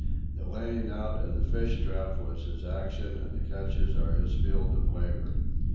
The laying out of the fish trap was his action and the catches are his field of labour.